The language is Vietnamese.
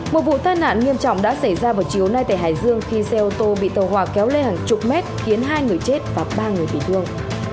một vụ tai nạn nghiêm trọng đã xảy ra vào chiều nay tại hải dương khi xe ô tô bị tàu hòa kéo lê hàng chục mét khiến hai người chết và ba người bị thương